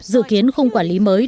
dự kiến không quản lý mới